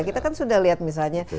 kita kan sudah lihat misalnya